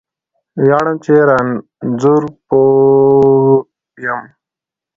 ویاړم چې رانځور پوه یم